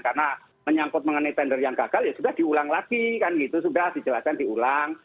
karena menyangkut mengenai tender yang gagal ya sudah diulang lagi kan gitu sudah dijelaskan diulang